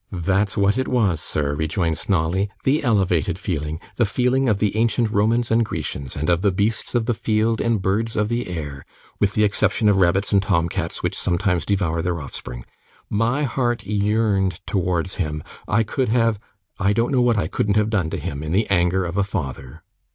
'That's what it was, sir,' rejoined Snawley; 'the elevated feeling, the feeling of the ancient Romans and Grecians, and of the beasts of the field and birds of the air, with the exception of rabbits and tom cats, which sometimes devour their offspring. My heart yearned towards him. I could have I don't know what I couldn't have done to him in the anger of a father.